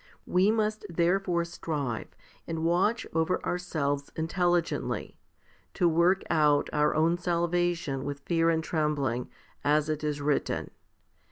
We must there fore strive, and watch over ourselves intelligently, to work out our own salvation with fear and trembling, as it is written.